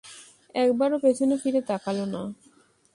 একবারও পেছনে ফিরে তাকাল না।